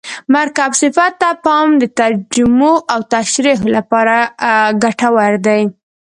مرکب صفت ته پام د ترجمو او تشریحو له پاره ګټور دئ.